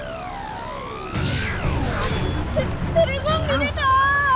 テテレゾンビ出た！